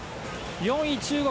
４位、中国。